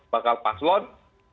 bakal paslon ada satu ratus delapan